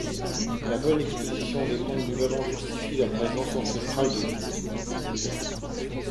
La bonne exposition des pentes du vallon justifie la présence ancestrale de vigne.